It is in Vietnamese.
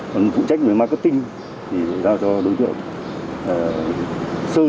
còn phụ trách về marketing thì phải giao cho đối tượng sơn